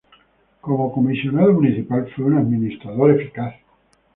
Como Comisionado Municipal, fue un administrador eficaz.